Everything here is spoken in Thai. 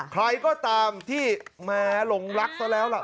ใครก็ตามที่แม้หลงรักซะแล้วล่ะ